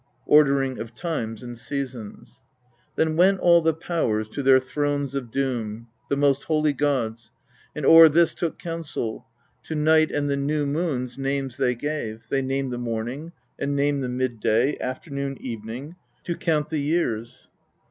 (Ordering of Times and Seasons.) 6. Then went all the Powers to their thrones of doom the most holy gods and o'er this took coun el : to Night and the New Moons names they gave: they named the Morning, and named the Mid day, Afternoon, Evening, to count the years.